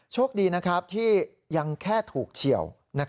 โชคดีที่ยังแค่ถูกเฉียว